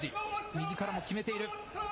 右からも決めている。